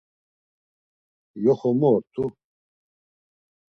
Yoxo mu ort̆u?